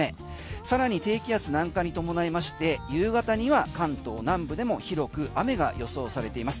さらに低気圧南下に伴いまして夕方には関東南部でも広く雨が予想されています。